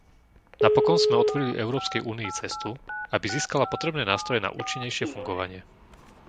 Napokon sme otvorili Európskej únii cestu, aby získala potrebné nástroje na účinnejšie fungovanie.